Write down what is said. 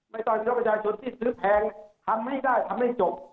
ไม่ต้องให้ประชาชนที่ซื้อแพงทำไม่ได้ทำไม่จบ